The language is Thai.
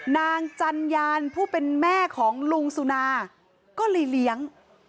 จัญญานผู้เป็นแม่ของลุงสุนาก็เลยเลี้ยง